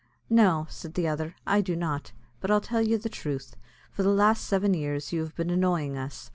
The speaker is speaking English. "No," said the other, "I do not; but I'll tell you the truth: for the last seven years you have been annoying us.